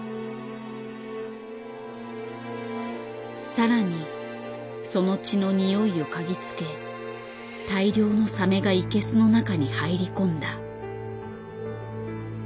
更にその血のにおいを嗅ぎつけ大量のサメがイケスの中に入り込んだ。